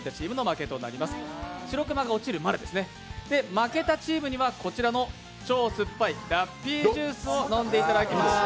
負けたチームにはこちらの超酸っぱいラッピージュースを飲んでいただきます。